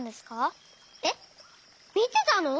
えっみてたの？